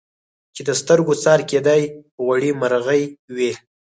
چي د سترګو څار کېدی غوړي مرغې وې